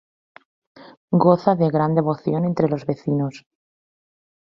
Goza de gran devoción entre los vecinos.